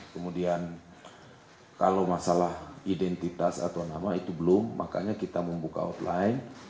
kemudian kalau masalah identitas atau nama itu belum makanya kita membuka hotline